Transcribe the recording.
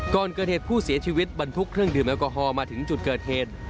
ก่อนเกิดเหตุผู้เสียชีวิตบรรทุกเครื่องดื่มแอลกอฮอลมาถึงจุดเกิดเหตุ